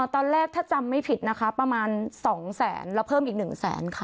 ตอนแรกถ้าจำไม่ผิดนะคะประมาณ๒แสนแล้วเพิ่มอีก๑แสนค่ะ